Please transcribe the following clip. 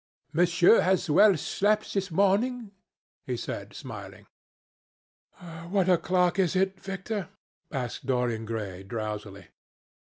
"Monsieur has well slept this morning," he said, smiling. "What o'clock is it, Victor?" asked Dorian Gray drowsily.